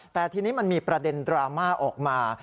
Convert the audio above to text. แต่ทีนี้มันมีประเด็นดราม่าออกมา